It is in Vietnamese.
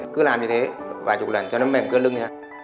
cứ làm như thế vài chục lần cho nó mềm cơn lưng